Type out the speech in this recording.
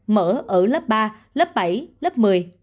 mở ở lớp ba lớp bảy lớp một mươi